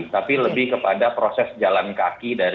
tapi lebih kepada proses jalan kaki dari